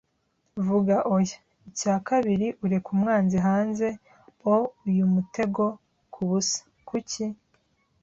vuga oya. Icya kabiri, ureka umwanzi hanze o 'uyu mutego kubusa. Kuki?